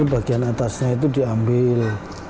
bagian atasnya itu diambil